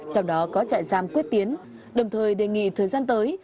trong đó có trại giam quyết tiến đồng thời đề nghị thời gian tới